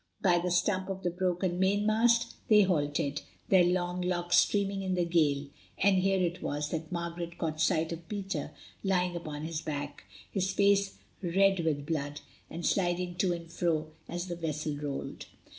By the stump of the broken mainmast they halted, their long locks streaming in the gale, and here it was that Margaret caught sight of Peter lying upon his back, his face red with blood, and sliding to and fro as the vessel rolled.